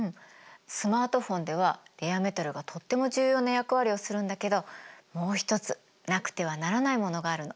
スマートフォンではレアメタルがとっても重要な役割をするんだけどもう一つなくてはならないものがあるの。